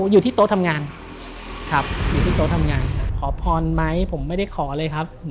อยู่ที่โต๊ะทำงานขอพรไหมผมไม่ได้ขอเลยครับ